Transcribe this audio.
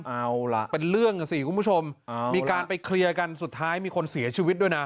เอาล่ะเป็นเรื่องอ่ะสิคุณผู้ชมมีการไปเคลียร์กันสุดท้ายมีคนเสียชีวิตด้วยนะ